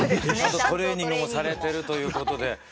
トレーニングもされてるということで。